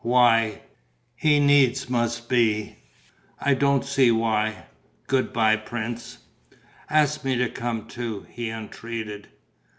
"Why?" "He needs must be!" "I don't see why. Good bye, prince." "Ask me to come too," he entreated.